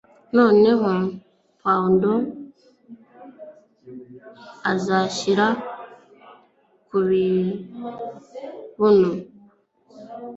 noneho pound bazashyira ku kibuno